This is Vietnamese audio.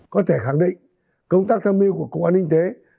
có thể khẳng định công tác tham mưu của công an ninh tế